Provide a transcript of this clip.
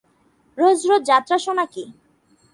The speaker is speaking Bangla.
রোজ রোজ যাত্রা শোনা কী?